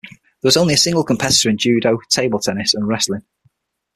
There was only a single competitor in judo, table tennis, and wrestling.